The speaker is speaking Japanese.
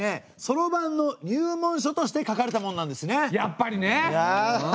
やっぱり。